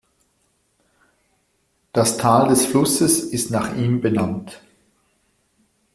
Das Tal des Flusses ist nach ihm benannt.